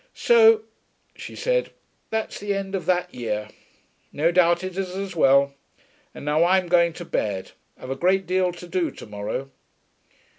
'So,' she said, 'that's the end of that year. No doubt it is as well.... And now I'm going to bed. I've a great deal to do to morrow.'